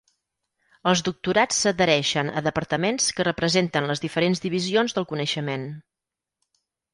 Els doctorats s'adhereixen a departaments que representen les diferents divisions del coneixement.